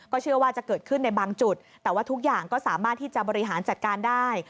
เชื่อว่าจะเกิดขึ้นในบางจุดแต่ว่าทุกอย่างก็สามารถที่จะบริหารจัดการได้